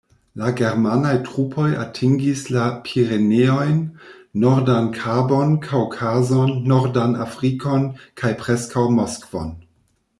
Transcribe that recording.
La germanaj trupoj atingis la Pireneojn, Nordan Kabon, Kaŭkazon, Nordan Afrikon kaj preskaŭ Moskvon.